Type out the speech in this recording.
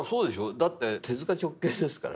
だって手直系ですから。